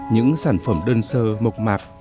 những sản phẩm đơn sơ mộc mạc